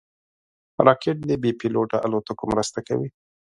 راکټ د بېپيلوټه الوتکو مرسته کوي